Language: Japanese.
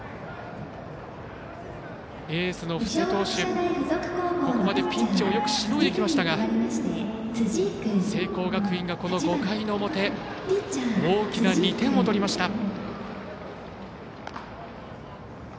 エースの布施投手、ここまでピンチをよくしのいできましたが聖光学院がこの５回の表大きな２点を取りました。